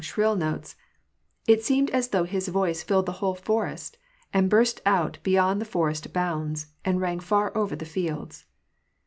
267 shrill notes : it seemed as though his voice filled the whole forest, and burst out beyond the forest bounds, and rang far over the fields.